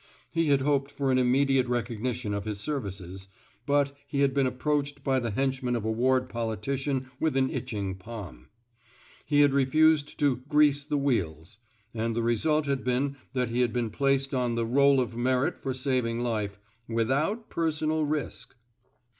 He had hoped for an immediate recog nition of his services, but he had been approached by the henchman of a ward politician with an itching palm. He had refused to grease the wheels ;and the result had been that he had been placed on the' Roll of Merit for saving life without personal risk.